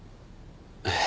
ええ。